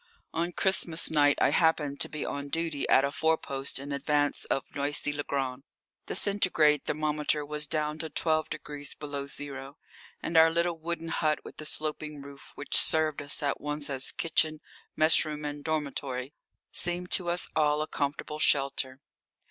On Christmas night I happened to be on duty at a forepost in advance of Noisy le Grand. The Centigrade thermometer was down to twelve degrees below zero, and our little wooden hut with the sloping roof, which served us at once as kitchen, mess room, and dormitory, seemed to us all a comfortable shelter.